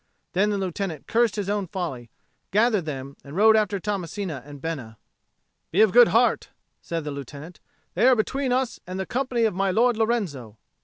Then the Lieutenant, cursing his own folly, gathered them, and they rode after Tommasino and Bena. "Be of good heart," said the Lieutenant. "They are between us and the company of my Lord Lorenzo."